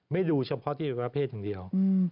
ไม่ดูเฉพาะแอลว่าเพศทั้งเดียว